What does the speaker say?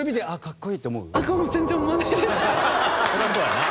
そりゃそうやな。